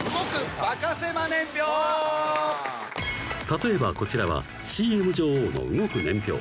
［例えばこちらはＣＭ女王の動く年表］